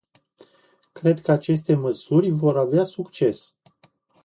Cred că aceste măsuri vor avea succes.